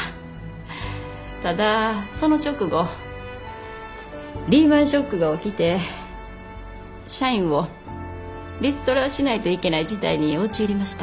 ただその直後リーマンショックが起きて社員をリストラしないといけない事態に陥りました。